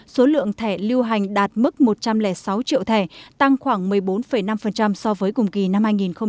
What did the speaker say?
số lượng thẻ lưu hành đạt mức một trăm linh sáu triệu thẻ tăng khoảng một mươi bốn năm so với cùng kỳ năm hai nghìn một mươi chín